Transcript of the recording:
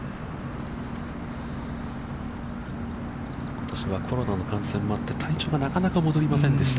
今年はコロナの感染もあって、体調がなかなか戻りませんでした。